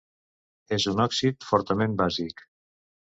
És un òxid fortament bàsic.